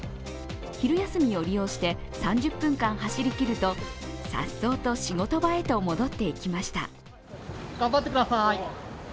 昼休みを利用して３０分間走りきると、さっそうと仕事場へと戻っていきました。